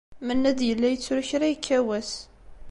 Mennad yella yettru kra yekka wass.